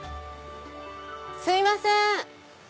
すいません！